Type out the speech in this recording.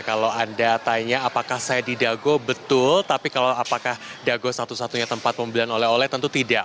kalau anda tanya apakah saya di dago betul tapi kalau apakah dago satu satunya tempat pembelian oleh oleh tentu tidak